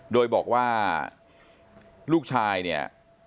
โดยบอกว่าลูกชายเนี่ย